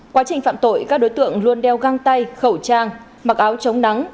quá trình phạm tội các đối tượng luôn đeo găng tay khẩu trang mặc áo chống nắng